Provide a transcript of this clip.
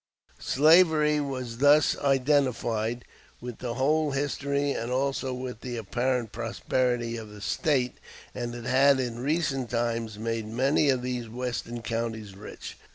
Slavery was thus identified with the whole history and also with the apparent prosperity of the State; and it had in recent times made many of these Western counties rich.